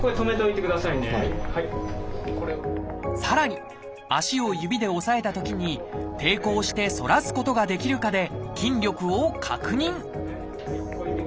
さらに足を指で押さえたときに抵抗して反らすことができるかで筋力を確認